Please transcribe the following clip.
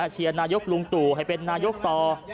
เชียร์นายกลุงตู่ให้เป็นนายกต่อ